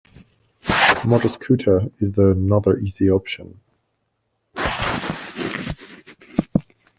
Motor scooter is another easy option.